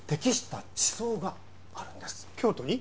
京都に？